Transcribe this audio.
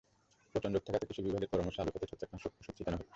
পচন রোগ ঠেকাতে কৃষি বিভাগের পরামর্শে আলুখেতে ছত্রাকনাশক ওষুধ ছিটানো হচ্ছে।